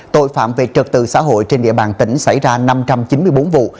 tội phạm về trật tự xã hội trên địa bàn tỉnh xảy ra năm trăm chín mươi bốn vụ